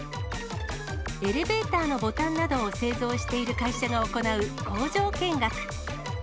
エレベーターのボタンなどを製造している会社が行う工場見学。